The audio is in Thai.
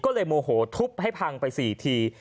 ก็เลยโมโหทุบให้พังไป๔ที